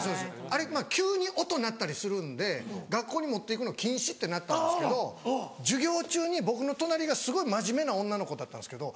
あれ急に音鳴ったりするんで学校に持って行くの禁止ってなったんですけど授業中に僕の隣がすごい真面目な女の子だったんですけど。